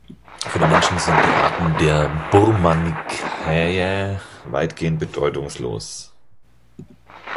Für den Menschen sind die Arten der Burmanniaceae weitgehend bedeutungslos.